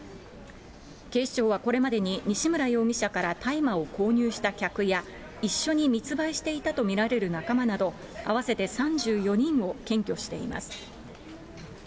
警視庁はこれまでに、西村容疑者から大麻を購入した客や、一緒に密売していたと見られる仲間など合わせて３４人を検挙しています。